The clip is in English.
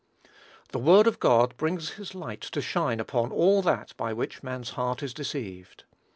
The word of God brings his light to shine upon all that by which man's heart is deceived.